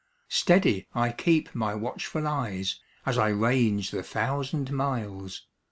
Steady I keep my watchful eyes, As I range the thousand miles.